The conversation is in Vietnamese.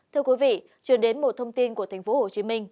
thưa quý vị chuyển đến một thông tin của tp hcm